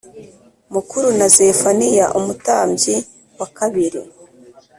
mukuru na Zefaniya umutambyi wa kabiri